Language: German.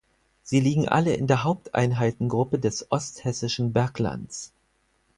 Sie liegen alle in der Haupteinheitengruppe des „Osthessischen Berglands“.